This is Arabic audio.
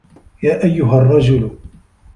يَا أَيُّهَا الرَّجُلُ